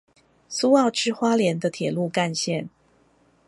蘇澳至花蓮的鐵路幹線